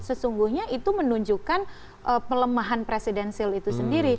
sesungguhnya itu menunjukkan pelemahan presidensil itu sendiri